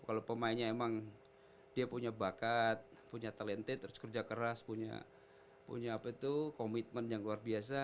kalau pemainnya emang dia punya bakat punya talentage harus kerja keras punya komitmen yang luar biasa